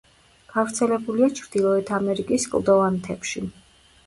გავრცელებულია ჩრდილოეთ ამერიკის კლდოვან მთებში.